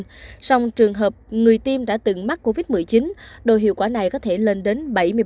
trong trường hợp người tiêm đã từng mắc covid một mươi chín độ hiệu quả này có thể lên đến bảy mươi